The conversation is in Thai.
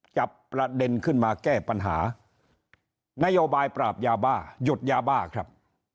จับประเด็นขึ้นมาแก้ปัญหานโยบายปราบยาบ้าหยุดยาบ้าครับ